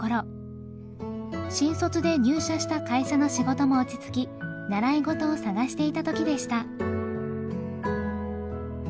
新卒で入社した会社の仕事も落ち着き習い事を探していた時でした。